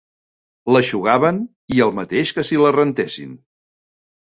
L'eixugaven, i el mateix que si la rentessin